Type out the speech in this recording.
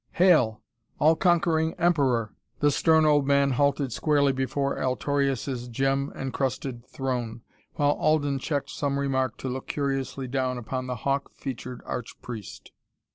"Hail! All conquering Emperor!" The stern old man halted squarely before Altorius' gem encrusted throne, while Alden checked some remark to look curiously down upon the hawk featured arch priest.